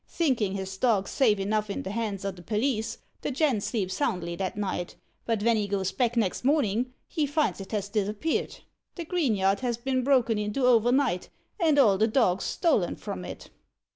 "Thinkin' his dog safe enough in the hands o' the police, the gent sleeps soundly that night, but ven he goes back next mornin' he finds it has disappeared. The green yard has been broken into overnight, and all the dogs stolen from it."